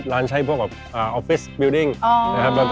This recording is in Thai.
จนใจว่าต้องมีคนบอกต่อ